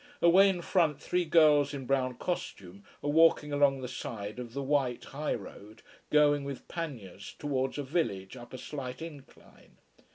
Away in front three girls in brown costume are walking along the side of the white high road, going with panniers towards a village up a slight incline.